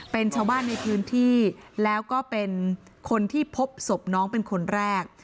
เป็นชาวบ้านในพื้นที่แล้วก็เป็นคนที่พบศพน้องเป็นคนแรก